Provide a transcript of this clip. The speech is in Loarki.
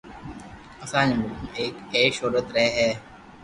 اسان جي ملڪ ۾ هڪ عيش عشرت رهي ٿي